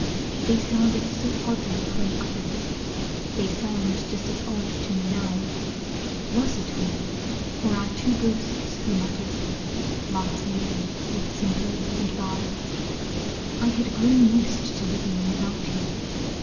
They sounded so oddly when uttered They sound just as odd to me now; Was it we, or our two ghosts who muttered Last evening, with simper and bow? I had grown used to living without you.